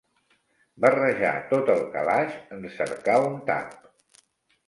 Barrejar tot el calaix en cercar un tap.